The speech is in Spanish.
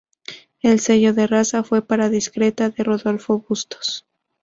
El "sello de raza" fue para "Discreta", de Rodolfo Bustos.